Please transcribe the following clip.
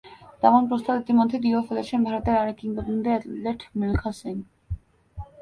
তেমন প্রস্তাব ইতিমধ্যে দিয়েও ফেলেছেন ভারতের আরেক কিংবদন্তি অ্যাথলেট মিলখা সিং।